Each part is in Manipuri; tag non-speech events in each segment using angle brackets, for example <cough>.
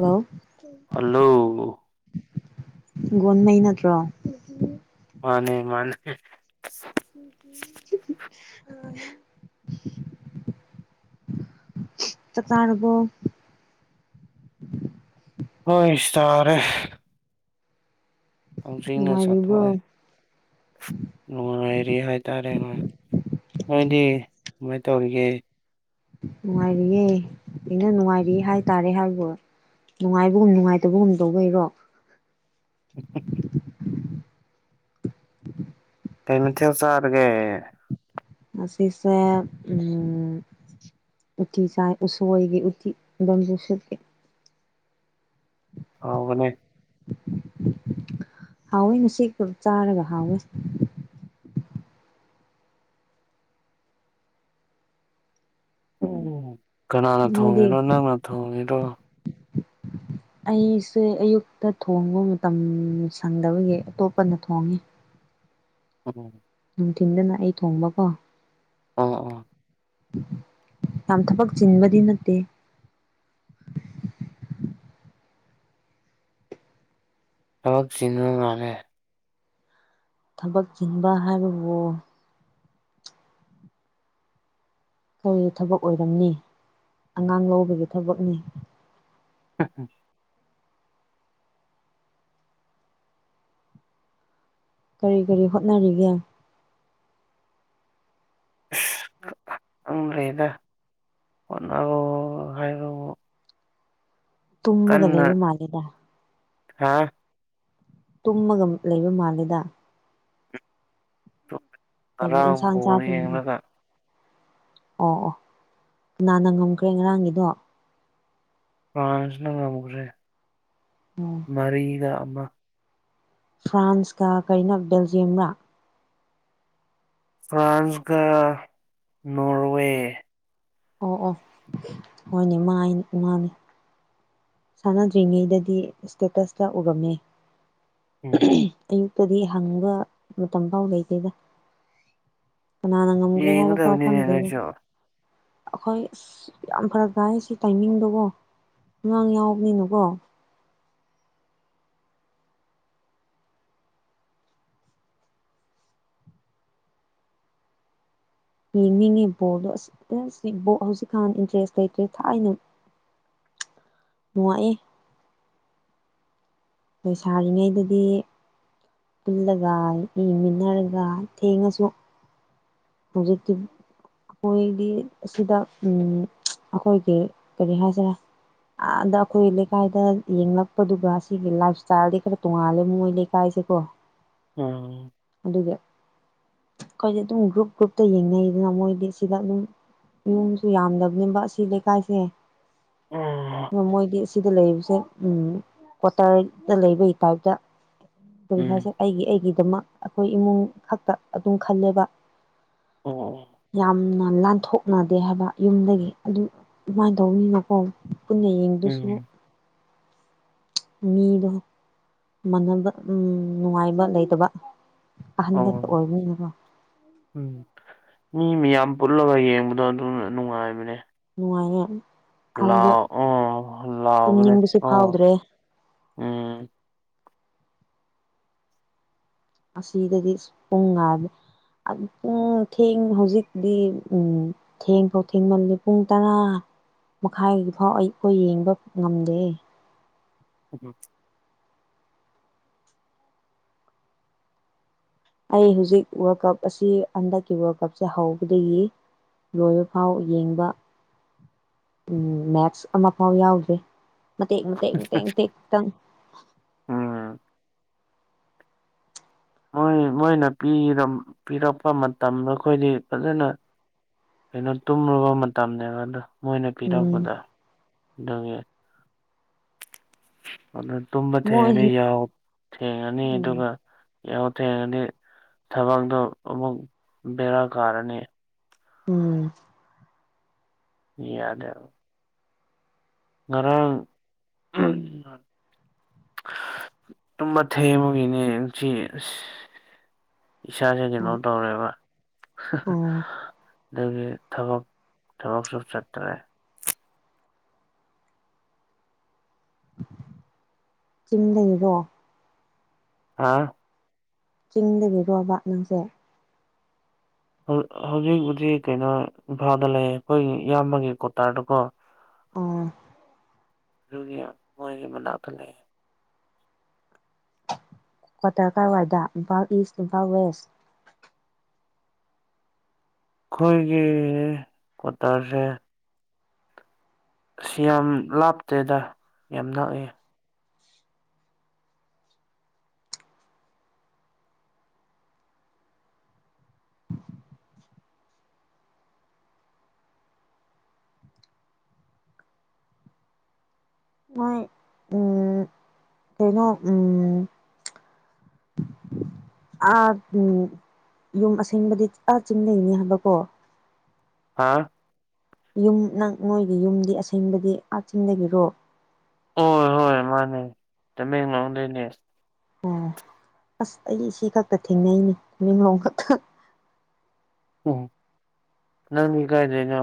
ꯍꯜꯂꯣ ꯍꯜꯂꯣ ꯒꯣꯟꯃꯩ ꯅꯠꯇ꯭ꯔꯣ ꯃꯥꯅꯦ ꯃꯥꯅꯦ ꯍ <inaudible> ꯆꯥꯛ ꯆꯥꯔꯕꯣ ꯍꯣꯢ ꯆꯥꯔꯦ ꯍꯧꯖꯤꯡꯅ ꯅꯨꯡꯉꯥꯏꯔꯤꯕ꯭ꯔꯣ ꯆꯥꯊꯣꯛꯑꯦ ꯅꯨꯡꯉꯥꯏꯔꯤ ꯍꯥꯏꯇꯥꯔꯦꯅꯦ ꯅꯣꯏꯗꯤ ꯀꯃꯥꯏꯟ ꯇꯧꯔꯤꯒꯦ ꯅꯨꯡꯉꯥꯏꯔꯤꯌꯦ ꯀꯩꯅꯣ ꯅꯨꯡꯉꯥꯏꯔꯤꯌꯦ ꯍꯥꯏꯇꯥꯔꯦ ꯍꯥꯏꯕꯣ ꯅꯨꯡꯉꯥꯏꯕꯒꯨꯝ ꯅꯨꯡꯉꯥꯏꯇꯕꯒꯨꯝ ꯇꯧꯕꯩꯔꯣ <unintelligible> ꯀꯩ ꯃꯥꯊꯦꯜ ꯆꯥꯔꯒꯦ ꯉꯥꯁꯤꯁꯦ ꯎꯝ ꯎꯇꯤ ꯆꯥꯢ ꯎꯁꯣꯏꯒꯤ ꯎꯇꯤ ꯕꯦꯝꯕꯨꯁꯨꯠꯀꯤ ꯍꯥꯥꯎꯕꯅꯦ ꯍꯥꯎꯋꯦ ꯉꯁꯤ ꯄꯨ ꯆꯥꯔꯒ ꯍꯥꯎꯋꯦ ꯀꯅꯥꯅ ꯅꯣꯏꯗꯤ ꯊꯣꯡꯉꯤꯅꯣ ꯅꯪꯅ ꯊꯣꯡꯉꯤꯔꯣ <inaudible> ꯑꯩꯁꯦ ꯑꯌꯨꯛꯇ ꯊꯣꯡꯕ ꯃꯇꯝ ꯁꯪꯗꯕꯒꯤ ꯑꯇꯣꯞꯄꯅ ꯊꯣꯡꯉꯦ ꯎꯝ ꯅꯨꯡꯊꯤꯟꯗꯅ ꯑꯩ ꯊꯣꯡꯕꯀꯣ ꯑꯣ ꯑꯣ ꯌꯥꯝ ꯊꯕꯛ ꯆꯤꯟꯕꯗꯤ ꯅꯠꯇꯦ ꯊꯕꯛ ꯆꯤꯟꯕ ꯃꯥꯜꯂꯦ ꯊꯕꯛ ꯆꯤꯡꯕ ꯍꯥꯏꯕꯕꯨ ꯀꯔꯤ ꯊꯕꯛ ꯑꯣꯏꯔꯝꯅꯤ ꯑꯉꯥꯡ ꯂꯧꯕꯒꯤ ꯊꯕꯛꯅꯦ <unintelligible> ꯀꯔꯤ ꯀꯔꯤ ꯍꯣꯠꯅꯔꯤꯒꯦ <inaudible> ꯑꯗꯨꯝ ꯂꯩꯗ ꯍꯣꯠꯅꯔꯣ ꯍꯥꯢꯔꯣ ꯇꯨꯝꯃꯒ ꯂꯩꯕ ꯃꯥꯜꯂꯦꯗ ꯍꯥꯥ ꯇꯨꯝꯃꯒꯝ ꯂꯩꯕ ꯃꯥꯂꯦꯗ ꯇꯣ ꯀꯔꯤ ꯉꯔꯥꯡ ꯏꯟꯁꯥꯡ ꯕꯣꯜ ꯆꯥꯕꯒꯤꯅꯣ ꯌꯦꯡꯔꯒ ꯑꯣ ꯑꯣ ꯀꯅꯥꯅ ꯉꯝꯈ꯭ꯔꯦ ꯉꯔꯥꯡꯒꯤꯗꯣ ꯐ꯭ꯔꯥꯟꯁꯅ ꯉꯝꯈ꯭ꯔꯦ ꯑꯣ ꯃꯔꯤꯗ ꯑꯃ ꯐ꯭ꯔꯥꯟꯁꯀ ꯀꯔꯤꯅꯣ ꯕꯦꯜꯖꯤꯌꯝꯔꯥ ꯐ꯭ꯔꯥꯟꯁꯒ ꯅꯣꯔꯋꯦ ꯑꯣ ꯑꯣ ꯍꯣꯏꯅꯦ ꯃꯥꯢꯟ ꯃꯥꯅꯦ ꯁꯥꯟꯅꯗ꯭ꯔꯤꯉꯩꯗꯗꯤ ꯁ꯭ꯇꯦꯇꯁꯇ ꯎꯔꯝꯃꯦ ꯎꯝ ꯑꯩ ꯀꯔꯤ ꯍꯪꯕ ꯃꯇꯝ ꯐꯥꯎ ꯂꯩꯇꯦꯗ ꯀꯅꯥꯅ ꯉꯝꯒ꯭ꯔꯦ ꯍꯥꯏꯕ ꯐꯥꯎ ꯌꯦꯡꯒꯗꯕꯅꯤꯅꯦ ꯈꯪꯗꯦ ꯅꯣꯏꯁꯨ ꯑꯩꯈꯣꯏ ꯑꯁ ꯌꯥꯝ ꯐꯔꯛ ꯇꯥꯏ ꯁꯤ ꯇꯥꯏꯃꯤꯡꯗꯣꯀꯣ ꯑꯉꯥꯡ ꯌꯥꯎꯕꯅꯤꯅꯀꯣ ꯌꯦꯡꯅꯤꯡꯉꯦ ꯕꯣꯜꯗꯣ ꯑꯁ ꯍꯧꯖꯤꯛꯀꯥꯟ ꯏꯟꯇ꯭ꯔꯦꯁ ꯂꯩꯇ꯭ꯔꯦ ꯊꯥꯏꯅ ꯅꯨꯡꯉꯥꯏꯑꯦ ꯂꯩꯁꯥꯔꯤꯉꯩꯗꯗꯤ ꯄꯨꯜꯂꯒ ꯌꯦꯡꯃꯤꯟꯅꯔꯒ ꯊꯦꯡꯉꯁꯨ ꯍꯧꯖꯤꯛꯇꯤ ꯑꯩꯈꯣꯏꯗꯤ ꯁꯤꯗ ꯎꯝ ꯑꯩꯈꯣꯏꯒꯤ ꯀꯔꯤ ꯍꯥꯏꯁꯤꯔꯦ ꯑꯥꯗ ꯑꯩꯈꯣꯏ ꯂꯩꯀꯥꯏꯗ ꯌꯦꯡꯂꯛꯄꯗꯨꯒ ꯑꯁꯤꯒꯤ ꯂꯥꯏꯞ ꯏꯁꯇꯥꯏꯜꯗꯤ ꯈꯔ ꯇꯣꯡꯉꯥꯜꯂꯦ ꯃꯣꯏ ꯂꯩꯀꯥꯏ ꯁꯦ ꯁꯤꯀꯣ ꯎꯝ ꯑꯗꯨꯒ ꯑꯩꯈꯣꯏꯁꯦ ꯑꯗꯨꯝ ꯒ꯭ꯔꯨꯞ ꯒ꯭ꯔꯨꯞꯇꯣ ꯌꯦꯡꯅꯩꯗꯅ ꯃꯣꯏꯗꯤ ꯁꯤꯗ ꯑꯗꯨꯝ ꯌꯨꯝꯁꯨ ꯌꯥꯝꯗꯕꯅꯤꯕ ꯁꯤ ꯂꯩꯀꯥꯏꯁꯦ ꯑꯣ ꯑꯗꯣ ꯃꯣꯏꯗꯤ ꯁꯤꯗ ꯂꯩꯕꯁꯦ ꯎꯝ ꯀ꯭ꯋꯥꯇꯔꯗ ꯂꯩꯕꯒꯤ ꯇꯥꯏꯞꯇ ꯀꯔꯤ ꯎꯝ ꯍꯥꯏꯁꯤꯔ ꯑꯩꯒꯤ ꯑꯩꯒꯤꯗꯃꯛ ꯑꯩꯈꯣꯏ ꯏꯃꯨꯡ ꯈꯛꯇ ꯑꯗꯨꯝ ꯈꯜꯂꯦꯕ ꯑꯣ ꯑꯣ ꯌꯥꯝꯅ ꯂꯥꯟꯊꯣꯛꯅꯗꯦ ꯍꯥꯏꯕ ꯌꯨꯝꯗꯒꯤ ꯑꯗꯨꯝ ꯑꯗꯨꯃꯥꯏꯅ ꯇꯧꯅꯤꯅꯀꯣ ꯄꯨꯟꯅ ꯑꯣ ꯌꯦꯡꯗꯨꯁꯨ ꯎꯝ ꯃꯤꯗꯣ ꯃꯥꯟꯅꯕ ꯑꯝ ꯅꯨꯡꯉꯥꯏꯕ ꯂꯩꯇꯕ ꯑꯍꯟ ꯈꯛꯇ ꯑꯣ ꯑꯣꯏꯕꯅꯤꯅꯀꯣ ꯎꯝ ꯃꯤ ꯃꯌꯥꯝ ꯄꯨꯜꯂꯒ ꯌꯦꯡꯕꯗꯣ ꯑꯗꯨꯅ ꯅꯨꯡꯉꯥꯏꯕꯅꯦ ꯅꯨꯡꯉꯥꯏꯑꯦ ꯂꯥꯎꯑꯣ ꯇꯨꯝꯅꯤꯡꯕꯁꯨ ꯂꯥꯎꯕꯅꯦꯀꯣ ꯐꯥꯎꯗ꯭ꯔꯦ ꯎꯝ ꯑꯁꯤꯗꯗꯤ ꯑ ꯄꯨꯡ ꯉꯥꯢꯕꯗ ꯄꯨꯡ ꯊꯦꯡ ꯍꯧꯖꯤꯛꯇꯤ ꯊꯦꯡꯐꯥꯎ ꯊꯦꯡꯃꯜꯂꯦ ꯄꯨꯡ ꯇꯔꯥ ꯃꯈꯥꯏꯒꯤ ꯐꯥꯎ ꯑꯩꯈꯣꯏ ꯌꯦꯡꯕ ꯉꯝꯗꯦ ꯎꯝ ꯑꯩ ꯍꯧꯖꯤꯛ ꯋꯥꯔꯜ ꯀꯞ ꯑꯁꯤ ꯍꯟꯗꯛꯀꯤ ꯋꯥꯔꯜ ꯀꯞꯁꯦ ꯍꯧꯕꯗꯒꯤ ꯂꯣꯏꯕ ꯐꯥꯎ ꯌꯦꯡꯕ ꯎꯝ ꯃꯦꯠꯁ ꯑꯃꯐꯥꯎ ꯌꯥꯎꯗ꯭ꯔꯤ ꯃꯇꯦꯛ ꯃꯇꯦꯛ ꯃꯇꯦꯛ ꯇꯪ ꯎꯝ ꯃꯣꯏ ꯃꯣꯏꯅ ꯄꯤꯔꯛꯄ ꯃꯇꯝꯗ ꯑꯩꯈꯣꯏꯗꯤ ꯐꯖꯅ ꯀꯩꯅꯣ ꯇꯨꯝꯔꯕ ꯃꯇꯝꯅꯦꯕꯗꯣ ꯃꯣꯏꯅ ꯎꯝ ꯄꯤꯔꯛꯄꯗ ꯑꯗꯨꯒꯤ ꯑꯗꯨ ꯇꯨꯝꯕ ꯃꯣꯏ ꯊꯦꯡꯉꯅꯤ ꯌꯥꯍꯧ ꯊꯦꯡꯉꯅꯤ ꯎꯝ ꯑꯗꯨꯒ ꯌꯥꯍꯧ ꯊꯦꯡꯉꯗꯤ ꯊꯕꯛꯇꯣ ꯑꯃꯨꯛ ꯕꯦꯔꯥ ꯀꯥꯔꯅꯤ ꯎꯝ ꯌꯥꯗꯦ ꯉꯔꯥꯡ ꯇꯨꯝꯕ ꯊꯦꯡꯕꯒꯤꯅꯦ ꯉꯁꯤ ꯑꯁ ꯏꯁꯥꯁꯦ ꯀꯩꯅꯣ ꯇꯧꯔꯦꯕ ꯎꯝ ꯑꯗꯨꯒꯤ ꯊꯕꯛ ꯊꯕꯛꯁꯨ ꯆꯠꯇ꯭ꯔꯦ ꯆꯤꯡꯗꯒꯤꯔꯣ ꯍꯥ ꯆꯤꯡꯗꯒꯤꯔꯣꯕ ꯅꯪꯁꯦ ꯍꯧꯖꯤꯛ ꯍꯧꯖꯤꯛꯄꯨꯗꯤ ꯀꯩꯅꯣ ꯏꯝꯐꯥꯜꯗ ꯂꯩ ꯑꯩꯈꯣꯏꯒꯤ ꯏꯌꯥꯝꯕꯒꯤ ꯀꯣꯇꯥꯔꯗꯀꯣ ꯑꯣ ꯑꯗꯨꯒꯤ ꯃꯣꯢꯒꯤ ꯃꯅꯥꯛꯇ ꯂꯩꯌꯦ ꯀ꯭ꯋꯥꯇꯔ ꯀꯥꯏꯋꯥꯏꯗ ꯏꯝꯐꯥꯜ ꯏꯁ ꯏꯝꯐꯥꯜ ꯋꯦꯁ ꯑꯩꯈꯣꯏꯒꯤ ꯀꯋꯥꯇꯔꯁꯦ ꯑꯁꯤ ꯌꯥꯝ ꯂꯥꯞꯇꯦꯗ ꯌꯥꯝ ꯅꯛꯑꯦ ꯍꯣꯏ ꯀꯩꯅꯣ ꯎꯝ ꯑꯥ ꯎ ꯌꯨꯝ ꯑꯁꯦꯡꯕꯗꯤ ꯑꯥ ꯆꯤꯡꯗꯩꯅꯤ ꯍꯥꯏꯕꯀꯣ ꯍꯥꯥ ꯌꯨꯝ ꯅꯪ ꯅꯣꯏꯒꯤ ꯌꯨꯝꯗꯤ ꯑꯁꯦꯡꯕꯗꯤ ꯑꯥ ꯆꯤꯟꯗꯒꯤꯔꯣ ꯍꯣꯏ ꯍꯣꯏ ꯃꯥꯟꯅꯦ ꯇꯃꯦꯡꯂꯣꯡꯗꯩꯅꯦ ꯎꯝ ꯑꯁ ꯑꯩ ꯁꯤ ꯈꯛꯇ ꯊꯦꯡꯅꯩꯅꯦ ꯇꯃꯦꯡꯂꯣꯡ ꯈꯛꯇ ꯑꯣ ꯅꯪꯗꯤ ꯀꯥꯏꯗꯩꯅꯣ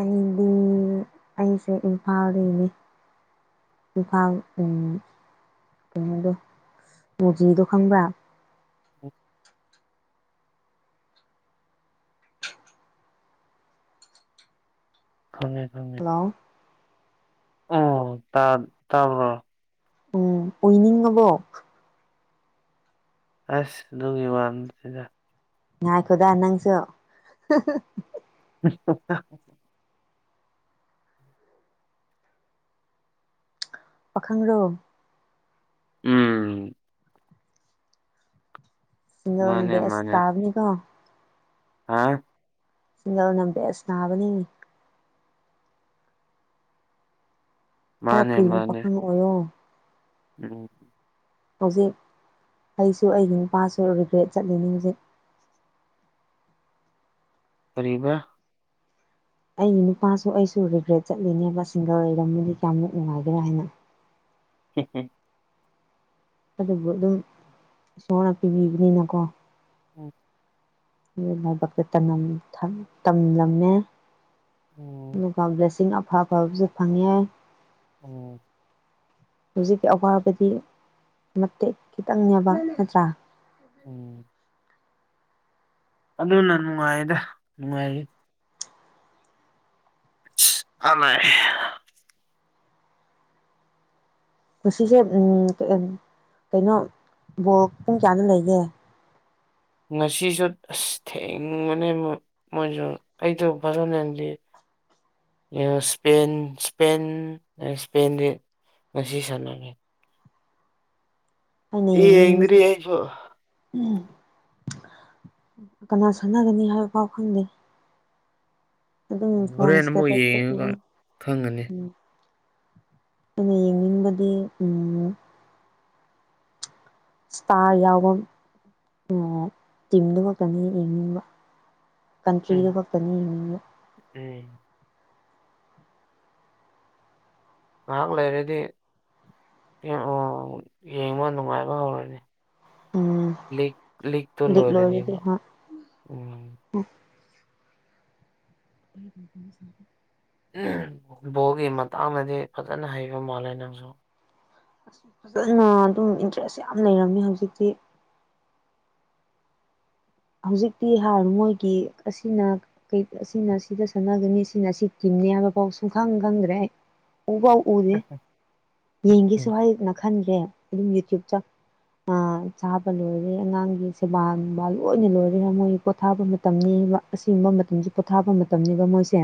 ꯑꯩꯗꯤ ꯑꯩꯁꯦ ꯏꯝꯐꯥꯜꯗꯩꯅꯦ ꯏꯝꯐꯥꯜ ꯎꯝ ꯀꯩꯅꯣꯗꯣ ꯃꯣꯖꯤꯗꯣ ꯈꯪꯕ꯭ꯔ ꯈꯪꯉꯦ ꯈꯪꯉꯦ ꯍꯜꯂꯣ ꯑꯣ ꯇꯥ ꯇꯕꯣ ꯎꯝ ꯎꯏꯅꯤꯡ ꯉꯕꯣ ꯑꯁ ꯑꯗꯨꯒꯤ ꯋꯥ ꯅꯠꯇꯦꯗ ꯉꯥꯏ ꯈꯣꯗꯥ ꯅꯪꯁꯨ <unintelligible> ꯄꯥꯈꯪꯔꯣ ꯎꯝ ꯅ ꯃꯥꯅꯦ ꯃꯥꯅꯦ ꯕꯦꯁꯇꯥꯥꯕꯅꯤ ꯀꯣ ꯍꯥ ꯁꯤꯡꯒꯜ ꯅ ꯕꯦꯁ ꯇꯥꯕꯅꯤ ꯈꯔ ꯃꯥꯅꯦ ꯀꯨꯏꯅ ꯃꯥꯅꯦ ꯄꯥꯈꯪ ꯑꯣꯏꯌꯣ ꯎꯝ ꯍꯧꯖꯤꯛ ꯑꯩꯁꯨ ꯑꯩꯒꯤ ꯅꯨꯄꯥꯁꯨ ꯔꯤꯒ꯭ꯔꯦꯠ ꯆꯠꯂꯤꯅꯤ ꯍꯧꯖꯤꯛ ꯀꯔꯤꯕ ꯑꯩꯒꯤ ꯅꯨꯄꯥꯁꯨ ꯑꯩꯁꯨ ꯔꯤꯒ꯭ꯔꯦꯠ ꯆꯠꯂꯤꯅꯦꯕ ꯁꯤꯡꯒꯔ ꯂꯩꯔꯝꯃꯗꯤ ꯀꯥꯌꯥꯝꯃꯨꯛ ꯅꯨꯡꯉꯥꯏꯒ꯭ꯦꯔꯦ ꯍꯥꯏꯅ <inaudible> <unintelligible> ꯑꯗꯨꯕꯨ ꯑꯗꯨꯝ ꯏꯁꯣꯔꯅ ꯄꯤꯕꯤꯕꯅꯤꯅꯀꯣ ꯎꯝ ꯂꯥꯏꯕꯛꯇ ꯇꯝꯂꯝꯃꯦ ꯎꯝ ꯑꯗꯨꯒ ꯕ꯭ꯂꯦꯁꯤꯡ ꯑꯐ ꯑꯐꯕꯁꯨ ꯐꯪꯉꯦ ꯎꯝ ꯍꯧꯖꯤꯛꯀꯤ ꯑꯋꯥꯕꯗꯤ ꯃꯇꯦꯛ ꯈꯤꯇꯪꯅꯦꯕ ꯅꯠꯇ꯭ꯔꯥ ꯎꯝ ꯑꯗꯨꯅ ꯅꯨꯡꯉꯥꯏꯗ ꯅꯨꯡꯉꯥꯏꯔꯤ ꯥ <unintelligible> ꯉꯥꯁꯤꯁꯦ ꯎꯝ ꯀꯩꯅꯣ ꯕꯣꯜ ꯄꯨꯡ ꯀꯌꯥꯅ ꯂꯩꯒꯦ ꯉꯁꯤꯁꯨ ꯑꯁ ꯊꯦꯡꯕꯅꯦ ꯃꯣꯏꯁꯨ ꯑꯩꯗꯣ ꯐꯖꯅꯗꯤ <inaudible> ꯏꯁꯄꯦꯟ ꯏꯁꯄꯦꯟ ꯏꯁꯄꯦꯟ ꯗꯤ ꯉꯁꯤ ꯁꯥꯟꯅꯔꯦ ꯑꯩꯅ ꯌꯦꯡꯗ꯭ꯔꯤ ꯌꯦꯡꯅꯤꯡꯕꯁꯦ ꯑꯩꯁꯨ ꯎꯝ ꯀꯩꯅꯣ ꯁꯥꯟꯅꯒꯅꯤ ꯍꯥꯏꯕ ꯄꯥꯎ ꯈꯪꯗꯦ ꯑꯗꯨꯝ ꯐꯣꯟ ꯍꯣꯔꯦꯟ ꯑꯃꯨꯛ ꯏꯁꯇꯦꯇꯁ ꯇ ꯌꯦꯡꯉꯒ ꯈꯪꯒꯅꯤ ꯎꯏꯌꯦ ꯌꯦꯡꯅꯤꯡꯕꯗꯤ ꯎꯝ ꯏꯁꯇꯥꯔ ꯌꯥꯎꯕ ꯇꯤꯝꯗꯨꯃꯛꯇꯅꯤ ꯌꯦꯡꯅꯤꯡꯕ ꯎꯝ ꯀꯟꯇ꯭ꯔꯤꯗꯣ ꯈꯛꯇꯅꯤ ꯌꯦꯡꯅꯤꯡꯕ <unintelligible> ꯉꯥꯏꯍꯥꯛ ꯂꯩꯔꯗꯤ ꯌꯦꯡꯕ ꯅꯨꯡꯉꯥꯏꯕ ꯍꯧꯔꯅꯤ ꯎꯝ ꯂꯤꯛ ꯂꯤꯛꯇꯣ ꯂꯤꯛ ꯂꯣꯏꯔꯗꯤ ꯂꯣꯏꯔꯅꯤꯕ ꯍꯣꯏ ꯎꯝ <unintelligible> ꯨ ꯕꯣꯜꯒꯤ ꯃꯇꯥꯡꯗꯗꯤ ꯐꯖꯅ ꯍꯩꯕ ꯃꯥꯜꯂꯦ ꯅꯪꯁꯨ ꯑꯁ ꯐꯖꯅ ꯑꯗꯨꯝ ꯏꯟꯇꯔꯦꯁ ꯌꯥꯝ ꯂꯩꯔꯝꯃꯦ ꯍꯧꯖꯤꯛꯇꯤ ꯍꯧꯖꯤꯛꯇꯤ ꯍꯥꯏꯔ ꯃꯣꯏꯒꯤ ꯑꯁꯤꯅ ꯑꯁꯤꯅ ꯁꯤꯗ ꯁꯥꯟꯅꯒꯅꯤ ꯁꯤꯅ ꯁꯤ ꯅꯤ ꯍꯥꯏꯕ ꯐꯥꯎ ꯁꯨꯡ ꯈꯪ ꯈꯪꯗ꯭ꯔꯦ ꯎ ꯄꯥꯎ ꯎꯗꯦ ꯎꯝ ꯌꯦꯡꯒꯦꯁꯨ ꯍꯥꯏ ꯈꯟꯗ꯭ꯔꯦ ꯌꯨꯝꯒꯤ ꯆꯨꯞ ꯆꯥꯞ ꯆꯥꯕ ꯂꯣꯏꯔꯦ ꯑꯉꯥꯡꯒꯤ ꯁꯦꯕꯥ ꯅꯨꯡꯕꯥ ꯂꯣꯏ ꯂꯣꯏꯅ ꯂꯣꯏꯔꯦꯒ ꯃꯣꯏ ꯄꯣꯊꯥꯕ ꯃꯇꯝꯅꯤ ꯑꯁꯦꯡꯕ ꯃꯇꯝꯁꯤ ꯄꯣꯊꯥꯕ ꯃꯇꯝꯅꯦꯕ ꯃꯣꯏꯁꯦ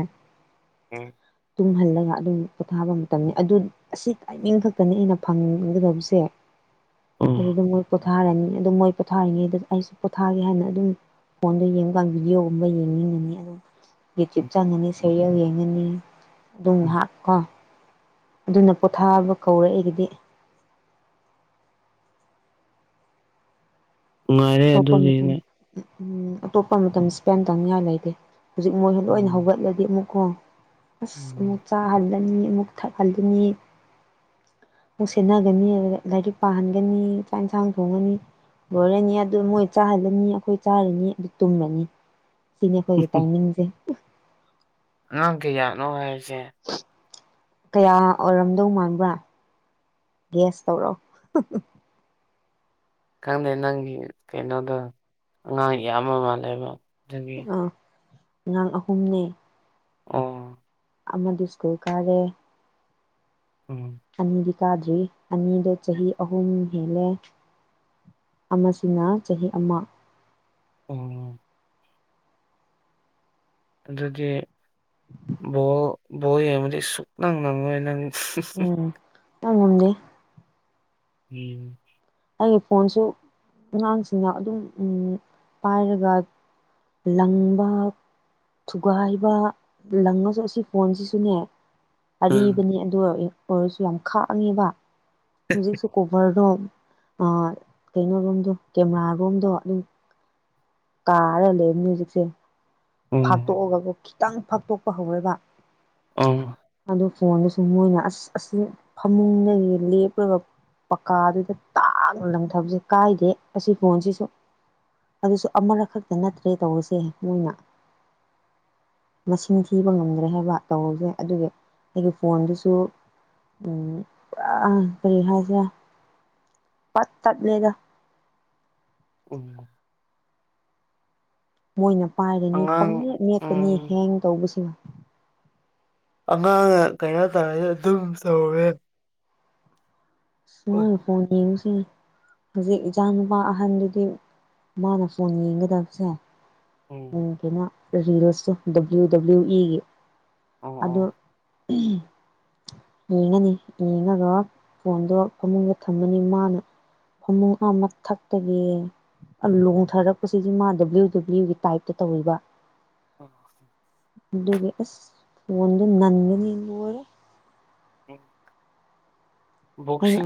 ꯎꯝ ꯇꯨꯝꯍꯜꯂꯒ ꯑꯗꯨꯝ ꯄꯣꯊꯥꯕ ꯃꯇꯝꯅꯤ ꯑꯗꯨ ꯑꯁꯤ ꯇꯥꯏꯃꯤꯡ ꯈꯛꯇꯅꯤ ꯑꯩꯅ ꯐꯪꯒꯗꯕꯁꯦ ꯎꯝ, ꯑꯗꯨꯗ ꯃꯣꯏ ꯄꯣꯊꯥꯔꯅꯤ ꯑꯗꯨꯝ ꯃꯣꯏ ꯄꯣꯊꯥꯔꯤꯉꯩꯗ ꯑꯩꯁꯨ ꯊꯥꯒꯦ ꯍꯥꯏꯅ ꯑꯗꯨꯝ ꯐꯣꯟꯗ ꯌꯦꯡꯕꯀꯥꯟ ꯚꯤꯗꯤꯑꯣꯒꯨꯝꯕ ꯌꯦꯡꯅꯤꯡꯉꯅꯤ ꯑꯗꯨꯝ ꯌꯦꯇꯌꯨꯞ ꯆꯪꯉꯅꯤ ꯁꯦꯔꯌꯦꯜ ꯌꯦꯡꯉꯅꯤ ꯑꯗꯨꯝ ꯉꯥꯍꯥꯛꯀꯣ ꯑꯗꯨꯅ ꯄꯣꯊꯥꯕ ꯀꯧꯔꯛꯏ ꯑꯩꯒꯤꯗꯤ ꯅꯨꯡꯉꯥꯏꯔꯦ ꯑꯇꯣꯞꯄ ꯃꯇꯝ ꯑꯗꯨꯒꯤꯅꯦ ꯎꯝ ꯑꯇꯣꯞꯄ ꯃꯇꯝ ꯏꯁꯄꯦꯟ ꯇꯧꯅꯤꯡꯉꯥꯏ ꯂꯩꯇꯦ ꯍꯧꯖꯤꯛ ꯃꯣꯏꯁꯨ ꯂꯣꯏꯅ ꯎꯝ ꯍꯧꯒꯠꯂꯗꯤ ꯑꯃꯨꯛꯀꯣ ꯑꯁ ꯑꯃꯨꯛ ꯎꯝ ꯆꯥꯍꯜꯂꯅꯤ ꯑꯃꯨꯛ ꯊꯛꯍꯜꯂꯅꯤ ꯑꯃꯨꯛ ꯁꯦꯟꯅꯒꯅꯤ ꯑꯗꯨ ꯂꯥꯏꯔꯤꯛ ꯄꯥꯍꯟꯒꯅꯤ ꯆꯥꯛ ꯏꯟꯁꯥꯡ ꯊꯣꯡꯉꯅꯤ ꯂꯣꯏꯔꯅꯤ ꯑꯗꯨ ꯃꯣꯏ ꯆꯥꯍꯜꯂꯅꯤ ꯑꯩꯈꯣꯏ ꯆꯥꯔꯅꯤ ꯑꯗꯨ ꯇꯨꯝꯂꯅꯤ ꯁꯤꯅꯤ ꯑꯩꯈꯣꯏꯒꯤ ꯇꯥꯏꯃꯤꯡꯁꯦ ꯑꯉꯥꯡ ꯀꯌꯥꯠꯅꯣ ꯍꯥꯏꯕꯁꯦ ꯀꯌꯥ ꯑꯣꯏꯔꯝꯗꯧ ꯃꯥꯟꯕ꯭ꯔꯥ ꯒꯦꯁ ꯇꯧꯔꯣ ꯈꯪꯗꯦ ꯅꯪꯒꯤ ꯀꯩꯅꯣꯗ ꯑꯉꯥꯡ ꯌꯥꯝꯕ ꯃꯥꯜꯂꯦꯕ ꯑꯗꯨꯒꯤ ꯑꯥ ꯑꯉꯥꯡ ꯑꯍꯨꯝꯅꯦ ꯑꯣ ꯑꯃꯗꯨ ꯁꯀꯨꯜ ꯀꯥꯔꯦ ꯎꯝ ꯑꯅꯤꯗꯤ ꯀꯥꯗ꯭ꯔꯤ ꯑꯅꯤꯗꯣ ꯆꯍꯤ ꯑꯍꯨꯝ ꯍꯦꯜꯂꯦ ꯑꯃꯁꯤꯅ ꯆꯍꯤ ꯑꯃ ꯑꯣ ꯑꯗꯨꯗꯤ ꯕꯣ ꯕꯣꯜ ꯌꯦꯡꯕꯗꯤ ꯁꯨꯛꯅꯪ ꯅꯪꯉꯣꯏ ꯅꯪ ꯎꯝ ꯇꯝꯉꯝꯗꯦ ꯎꯝ ꯑꯩꯒꯤ ꯐꯣꯟꯁꯨ ꯑꯉꯥꯡꯁꯤꯡꯅ ꯑꯗꯨꯝ ꯄꯥꯏꯔꯒ ꯂꯪꯕꯥ ꯊꯨꯒꯥꯏꯕ ꯂꯪꯉꯁꯨ ꯑꯁꯤ ꯐꯣꯟꯁꯤꯁꯨꯅꯦ ꯎꯝ ꯑꯔꯤꯕꯅꯤ ꯑꯗꯨ ꯑꯣꯏꯔꯁꯨ ꯌꯥꯝ ꯈꯥꯛꯉꯦꯕ ꯍꯧꯖꯤꯛꯁꯨ ꯀꯣꯕꯔꯗꯣ ꯑ ꯀꯩꯅꯣ ꯔꯣꯝꯗꯣ ꯀꯦꯃꯦꯔꯥꯔꯣꯝꯗꯣ ꯑꯗꯨꯝ ꯀꯥꯔ ꯂꯩ ꯍꯧꯖꯤꯛꯁꯦ ꯎꯝ ꯐꯥꯛꯇꯣꯛꯑꯒ ꯈꯤꯇꯪ ꯐꯥꯛꯇꯣꯛꯄ ꯍꯧꯔꯒ ꯑ ꯐꯣꯟꯗꯨꯁꯨ ꯃꯣꯏꯅ ꯑꯁ ꯑꯁꯤ ꯐꯃꯨꯡꯗꯒꯤ ꯂꯦꯞꯂꯒ ꯄꯀꯥꯗꯨꯗ ꯇꯥꯛ ꯂꯪꯊꯕꯁꯦ ꯀꯥꯏꯗꯦ ꯑꯁꯤ ꯐꯣꯟꯁꯤꯁꯨ ꯑꯗꯨꯁꯨ ꯑꯃꯔꯛ ꯈꯛꯇ ꯅꯠꯇ꯭ꯔꯦ ꯇꯧꯔꯤꯁꯦ ꯃꯣꯏꯅ ꯃꯁꯤꯡ ꯊꯤꯕ ꯉꯝꯗ꯭ꯔꯦ ꯍꯥꯏꯕ ꯇꯧꯔꯤꯁꯦ ꯑꯗꯨꯒꯤ ꯑꯩꯒꯤ ꯐꯣꯟꯗꯨꯁꯨ ꯎꯝ ꯄꯨꯔꯥ ꯀꯔꯤ ꯍꯥꯏꯁꯤꯔꯥ ꯄꯠ ꯇꯠ ꯂꯦꯗ ꯎꯝ ꯃꯣꯏꯅ ꯄꯥꯏꯔꯅꯤ ꯑꯉꯥꯡ ꯄꯪꯃꯦꯠ ꯃꯦꯠꯀꯅꯤ ꯎꯝ ꯍꯦꯡ ꯇꯧꯕꯁꯤꯅ ꯑꯉꯥꯡꯅ ꯀꯩꯅꯣ ꯇꯧꯔꯩꯗꯣ ꯑꯗꯨꯝ ꯁꯧꯋꯦ ꯑꯁ ꯃꯣꯏꯅ ꯐꯣꯟ ꯌꯦꯡꯕꯁꯦ ꯍꯧꯖꯤꯛ ꯏꯆꯥ ꯅꯨꯄꯥ ꯑꯍꯟꯗꯨꯗꯤ ꯃꯥꯅ ꯐꯣꯟ ꯌꯦꯡꯒꯗꯕꯁꯦ ꯎꯝ ꯀꯩꯅꯣ ꯔꯤꯜꯁꯇꯣ ꯗꯕ꯭ꯂꯤꯎ ꯗꯕ꯭ꯂꯤꯎ ꯏꯒꯤ ꯑꯣ ꯑꯗꯨ ꯌꯦꯡꯉꯅꯤ ꯌꯦꯡꯉꯒ ꯐꯣꯟꯗꯣ ꯐꯃꯨꯡꯗ ꯊꯝꯃꯅꯤ ꯃꯥꯅ ꯐꯃꯨꯡ ꯑ ꯃꯊꯛꯇꯒꯤ ꯑ ꯂꯣꯡꯊꯔꯛꯄꯁꯤꯗꯤ ꯃꯥ ꯗꯕ꯭ꯂꯤꯎ ꯗꯕ꯭ꯂꯤꯎꯒꯤ ꯇꯥꯏꯞꯇ ꯇꯧꯋꯦꯕ ꯑ ꯑꯗꯨꯒꯤ ꯑꯁ ꯐꯣꯟꯗꯣ ꯅꯟꯕꯒꯤ ꯂꯣꯏꯔꯦ ꯑꯦ ꯑꯩꯅ ꯕꯣꯛꯁꯤꯡ